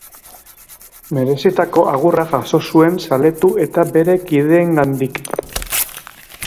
Merezitako agurra jaso zuen zaletu eta bere kideengandik.